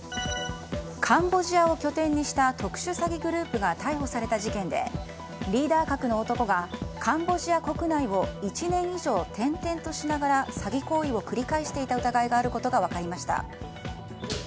カンボジアを拠点にした特殊詐欺グループが逮捕された事件でリーダー格の男がカンボジア国内を１年以上転々としながら詐欺行為を繰り返していた疑いがあることが分かりました。